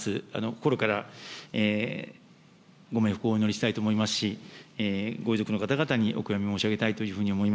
心からご冥福をお祈りしたいと思いますし、ご遺族の方々にお悔やみ申し上げたいというふうに思い